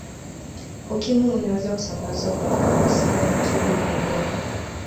Ukimwi unaweza kusambazwa kwa kugusana tu bila ngono